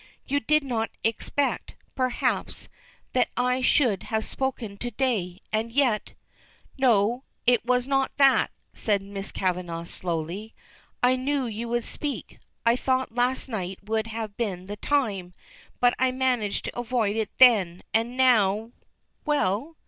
"You did not expect, perhaps, that I should have spoken to day, and yet " "No. It was not that," says Miss Kavanagh, slowly. "I knew you would speak I thought last night would have been the time, but I managed to avoid it then, and now " "Well?"